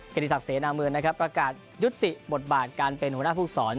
ติศักดิเสนาเมืองนะครับประกาศยุติบทบาทการเป็นหัวหน้าผู้สอน